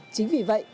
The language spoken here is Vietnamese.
chính vì vậy